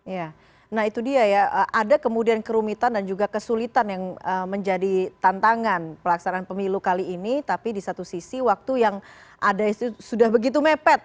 ya nah itu dia ya ada kemudian kerumitan dan juga kesulitan yang menjadi tantangan pelaksanaan pemilu kali ini tapi di satu sisi waktu yang ada itu sudah begitu mepet